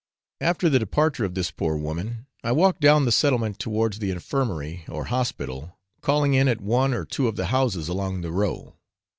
After the departure of this poor woman, I walked down the settlement towards the infirmary or hospital, calling in at one or two of the houses along the row.